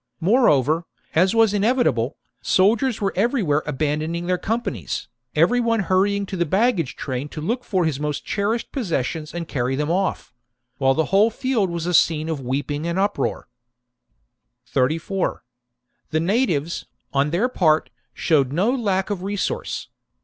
Moreover, as was inevitable, THE DISASTER AT ADUATUCA 151 soldiers were everywhere abandoning their com 54 b c panics, every one hurrying to the baggage train to look for his most cherished possessions and carry them off; while the whole field was a scene of weeping and uproar. 34. The natives, on their part, showed no lack of resource.